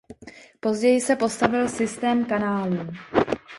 Později se postavil systém kanálů.